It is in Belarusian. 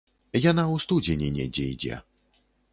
Яна ў студзені недзе ідзе.